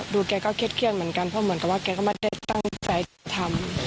แกก็เครียดเหมือนกันเพราะเหมือนกับว่าแกก็ไม่ได้ตั้งใจทำ